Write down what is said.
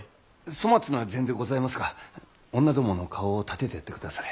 粗末な膳でございますが女どもの顔を立ててやってくだされ。